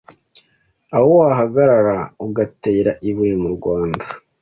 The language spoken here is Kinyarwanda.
aho wahagarara ugatera ibuye mu Rwanda